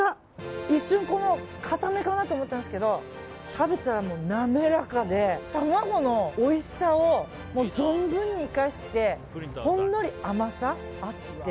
一瞬、固めかなと思ったんですけど食べたら滑らかで卵のおいしさを存分に生かしてほんのり甘さもあって。